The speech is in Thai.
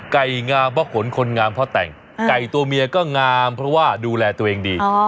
ไก่งามเพราะขนคนงามเพราะแต่งไก่ตัวเมียก็งามเพราะว่าดูแลตัวเองดี